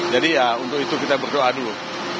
jadi ya untuk itu kita berdoa dulu